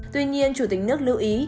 tuy nhiên chủ tịch nước lưu ý